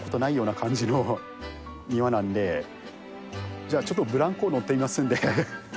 じゃあちょっとブランコ乗ってみますんで。